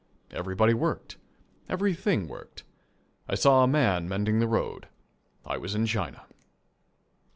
Everybody worked. Everything worked. I saw a man mending the road. I was in China.